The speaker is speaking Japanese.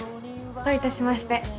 どういたしまして。